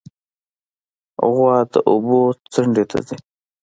غوا د اوبو څنډې ته ځي.